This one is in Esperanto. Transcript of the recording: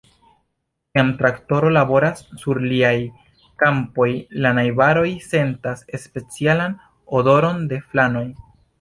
Kiam traktoro laboras sur liaj kampoj, la najbaroj sentas specialan odoron de flanoj.